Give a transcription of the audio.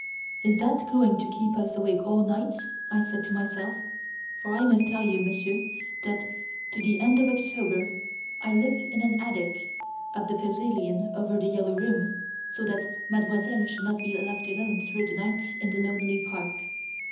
"Is that going to keep us awake all night?" I said to myself; for I must tell you, Monsieur, that, to the end of October, I live in an attic of the pavilion over "The Yellow Room", so that Mademoiselle should not be left alone through the night in the lonely park.